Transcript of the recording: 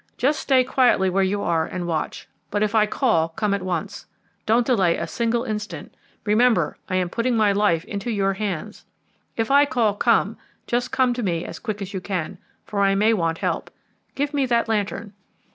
Just stay quietly where you are and watch, but if I call come at once. Don't delay a single instant. Remember I am putting my life into your hands. If I call 'Come,' just come to me as quick as you can, for I may want help. Give me that lantern."